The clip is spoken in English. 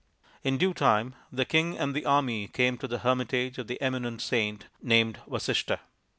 In due time the king and his army came to the hermitage of the eminent saint named Vasishtha.